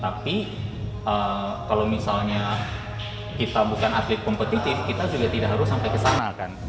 tapi kalau misalnya kita bukan atlet kompetitif kita juga tidak harus sampai ke sana kan